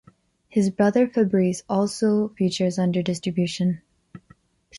His brother Fabrice also features under distribution.